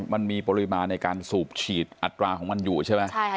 มันมีปริมาณในการสูบฉีดอัตราของมันอยู่ใช่ไหม